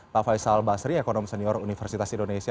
pak faisal basri ekonom senior universitas indonesia